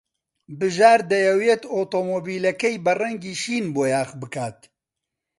بژار دەیەوێت ئۆتۆمۆبیلەکەی بە ڕەنگی شین بۆیاغ بکات.